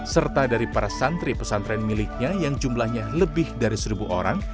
serta dari para santri pesantren miliknya yang jumlahnya lebih dari seribu orang